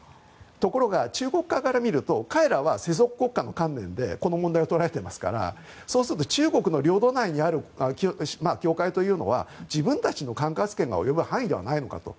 ところが中国側から見ると彼らは世俗国家の観念でこの問題を捉えていますからそうすると中国の領土内にある教会というのは自分たちの管轄権が及ぶ範囲ではないのかと。